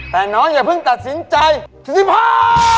แผ่นน้องอย่าพึ่งตัดสินใจที่สิ้นพร้อม